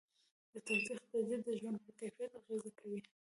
د تودوخې درجه د ژوند په کیفیت اغېزه کوي.